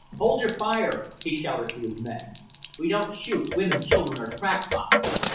"Hold your fire!" he shouted to his men. "We don't shoot women, children, or crackpots."